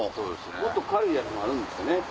もっと軽いやつもあるんですよね。